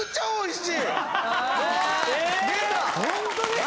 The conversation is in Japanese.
ホントですか？